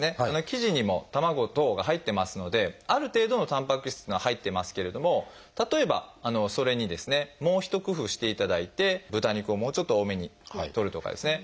生地にも卵等が入ってますのである程度のたんぱく質っていうのは入ってますけれども例えばそれにですねもう一工夫していただいて豚肉をもうちょっと多めにとるとかですね